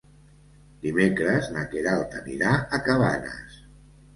Dimecres na Queralt anirà a Cabanes.